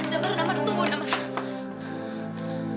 damar damar tunggu damar